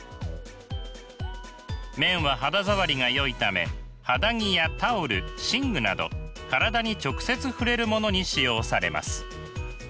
綿は肌触りがよいため肌着やタオル寝具など体に直接触れるものに使用されます。